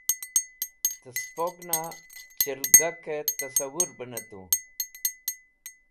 Tẽ sẽpogẽnay chẽlgakẽ tẽsawur bẽ ne tu.